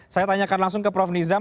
saya tanyakan langsung ke prof nizam